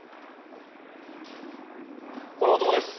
この男です。